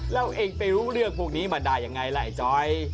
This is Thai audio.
แล้วเองไปรู้เรื่องพวกนี้มาได้ยังไงล่ะไอ้จอย